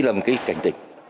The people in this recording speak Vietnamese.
thế là một cái cảnh tình